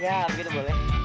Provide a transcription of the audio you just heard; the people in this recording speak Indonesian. ya begitu boleh